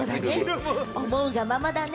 思うがままだね。